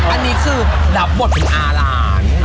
อันนี้คือรับบทเป็นอาหลาน